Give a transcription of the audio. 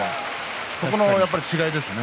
そこの違いですね。